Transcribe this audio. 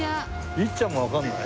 律ちゃんもわかんない？